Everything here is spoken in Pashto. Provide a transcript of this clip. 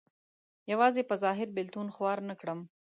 یوازې په ظاهر بېلتون خوار نه کړم.